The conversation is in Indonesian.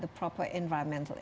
tanpa tindakan lingkungan yang tepat